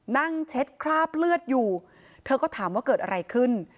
เช็ดคราบเลือดอยู่เธอก็ถามว่าเกิดอะไรขึ้น